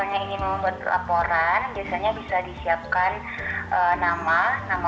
oke kalau misalnya ingin membuat laporan biasanya bisa disiapkan nama nama penyibuk